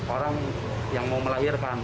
orang yang mau melahirkan